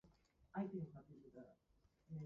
秋田県潟上市